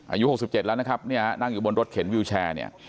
อายุ๖๗แล้วนะครับเนี่ยนั่งอยู่บนรถเข็นวิวแชร์เนี่ย